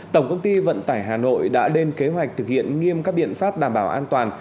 tổng công ty vận tải hà nội đã lên kế hoạch thực hiện nghiêm các biện pháp đảm bảo an toàn